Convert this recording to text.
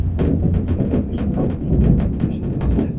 তবে ক্রেতারা এসব কারখানায় পোশাক তৈরির জন্য বেশি পয়সা দিচ্ছে না।